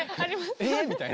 え⁉みたいな。